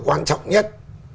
quan trọng nhất